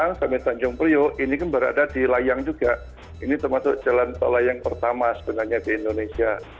nah sampai tanjung priok ini kan berada di layang juga ini termasuk jalan tol layang pertama sebenarnya di indonesia